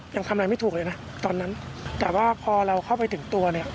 ยังทำอะไรไม่ถูกเลยนะตอนนั้นแต่ว่าพอเราเข้าไปถึงตัวเนี่ย